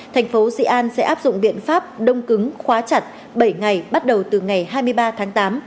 thành phố dị an sẽ áp dụng biện pháp đông cứng khóa chặt bảy ngày bắt đầu từ ngày hai mươi ba tháng tám